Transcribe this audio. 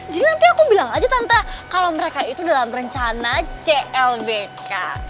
nanti aku bilang aja tante kalau mereka itu dalam rencana clbk